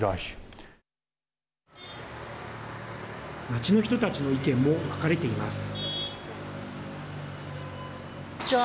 街の人たちの意見も分かれています。